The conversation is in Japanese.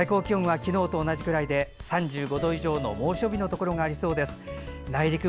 最高気温は昨日と同じくらいで３５度以上の猛暑日になるところもありそうです。